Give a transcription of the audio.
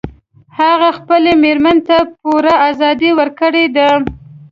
هغه خپلې میرمن ته پوره ازادي ورکړي ده